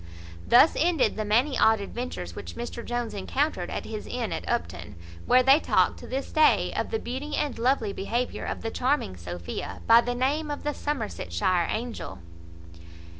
Thus ended the many odd adventures which Mr Jones encountered at his inn at Upton, where they talk, to this day, of the beauty and lovely behaviour of the charming Sophia, by the name of the Somersetshire angel.